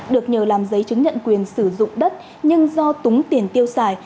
được nhờ làm giấy chứng nhận quyền sử dụng đất nhưng do túng tiền tiêu xài